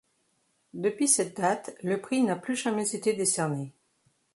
Depuis cette date, le prix n'a plus jamais été décerné.